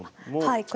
はい。